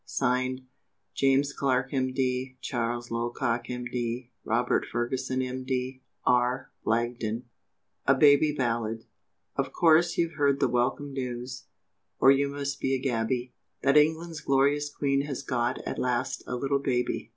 (Signed) "JAMES CLARK, M.D. "CHARLES LOCOCK, M.D. "ROBERT FERGUSON, M.D. "R. BLAGDEN. A BABY BALLAD. Of course you've heard the welcome news, Or you must be a gaby, That England's glorious Queen has got At last a little baby?